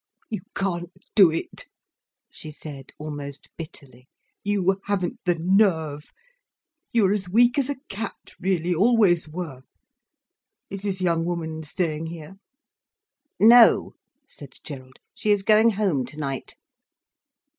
"You can't do it," she said, almost bitterly. "You haven't the nerve. You're as weak as a cat, really—always were. Is this young woman staying here?" "No," said Gerald. "She is going home tonight."